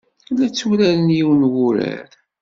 La tturaren yiwen n wurar.